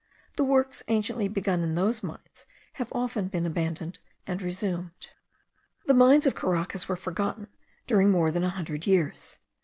The works anciently begun in those mines have often been abandoned and resumed. The mines of Caracas were forgotten during more than a hundred years.